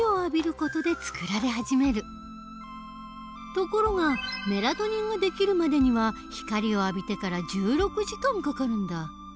ところがメラトニンができるまでには光を浴びてから１６時間かかるんだ。